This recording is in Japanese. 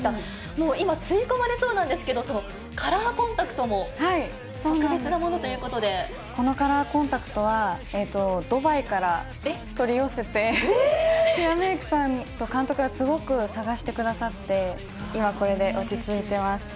もう今、吸い込まれそうなんですけれども、そのカラーコンタクトも特別なもこのカラーコンタクトは、ドバイから取り寄せて、ヘアメイクさんと監督がすごく探してくださって、今、これで落ち着いてます。